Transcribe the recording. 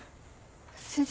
先生。